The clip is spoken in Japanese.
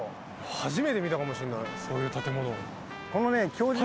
初めて見たかもしれないそういう建物。